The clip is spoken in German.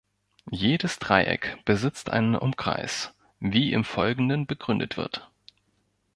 Jedes Dreieck besitzt einen Umkreis, wie im Folgenden begründet wird.